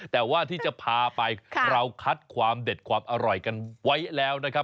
แต่ว่าที่จะพาไปเราคัดความเด็ดความอร่อยกันไว้แล้วนะครับ